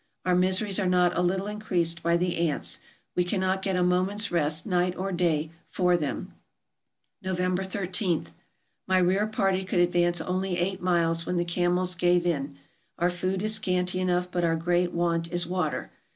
Our miseries are not a little increased by the ants. We cannot get a moment's rest, night or day, for them. November ij. — My rear party could advance only eight miles, when the camels gave in. Our food is scanty enough, but our great want is water.